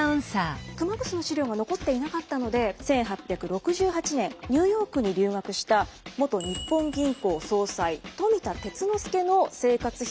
熊楠の資料が残っていなかったので１８６８年ニューヨークに留学した元日本銀行総裁富田鐡之助の生活費の内訳で見ていきます。